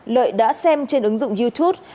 lợi đã xem trên ứng dụng youtube